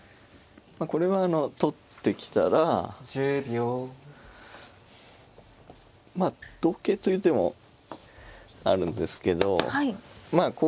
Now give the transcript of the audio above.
まあこれは取ってきたらまあ同桂という手もあるんですけどまあ